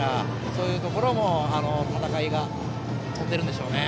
そういうところも戦いが飛んでるんでしょうね。